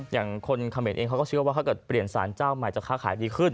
อย่างคนเขมรเองเขาก็เชื่อว่าถ้าเกิดเปลี่ยนสารเจ้าใหม่จะค้าขายดีขึ้น